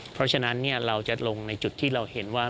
เพราะฉะนั้นเราจะลงในจุดที่เราเห็นว่า